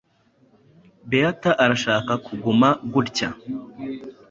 Beata arashaka kuguma gutya.